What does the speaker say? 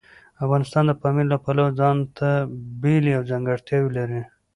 افغانستان د پامیر له پلوه ځانته بېلې او ځانګړتیاوې لري.